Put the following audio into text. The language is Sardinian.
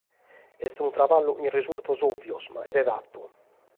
Est unu traballu cun resurtos òvios, ma cheret fatu.